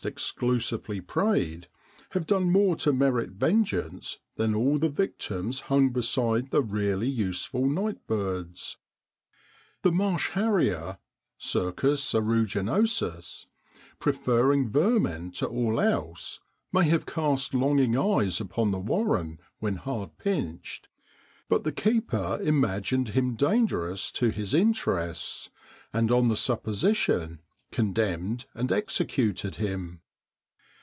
exclusively preyed, Lave done more to merit vengeance than all the victims hung beside the really useful nightbirds. The marsh harrier (Circles ceruginosus), pre ferring vermin to all else, may have cast longing eyes upon the warren when hard pinched; but the keeper imagined him dangerous to his interests, and on the sup position condemned and executed him.